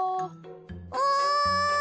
おい！